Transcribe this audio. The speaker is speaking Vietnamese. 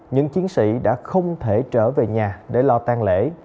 những chiến sĩ đã không thể trở về nhà để lo tan lễ